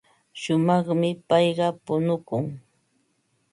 Shumaqmi payqa punukun.